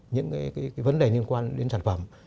những vấn đề liên quan đến sản phẩm